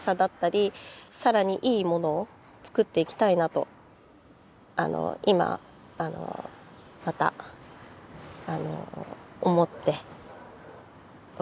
さらにいいものを作っていきたいなと今また思っております。